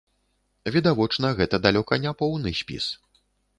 Відавочна, гэта далёка не поўны спіс.